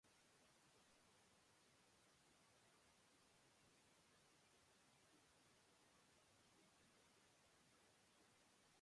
It was livestreamed to viewers around the world on Facebook.